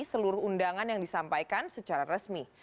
seluruh undangan yang disampaikan secara resmi